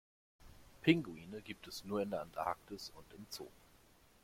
Pinguine gibt es nur in der Antarktis und im Zoo.